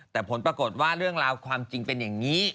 แต่ผลปรากฏว่าเรื่องราวความจริงเป็นอย่างนี้